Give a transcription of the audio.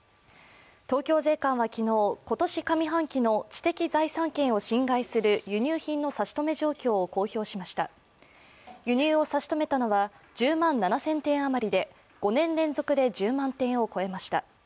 東京税関は昨日、今年上半期の知的財産権を侵害する輸入品の差し止め状況を公表しました輸入を差し止めたのは１０万７０００点あまりで５年連続で１０万点を超えました。